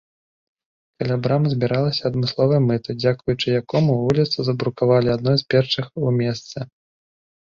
Каля брамы збіралася адмысловае мыта, дзякуючы якому вуліцу забрукавалі адной з першых у месце.